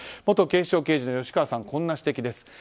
元警視庁刑事の吉川さんこんな指摘です。